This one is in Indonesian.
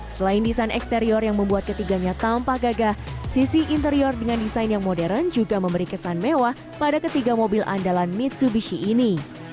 selain desain eksterior yang membuat ketiganya tampak gagah sisi interior dengan desain yang modern juga memberi kesan mewah pada ketiga mobil andalan mitsubishi ini